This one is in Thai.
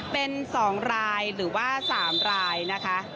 เป็น๒รายหรือว่า๓รายนะคะ